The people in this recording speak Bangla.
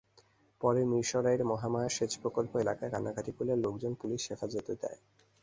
পরে মিরসরাইয়ের মহামায়া সেচ প্রকল্প এলাকায় কান্নাকাটি করলে লোকজন পুলিশ হেফাজতে দেয়।